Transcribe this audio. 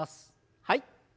はい。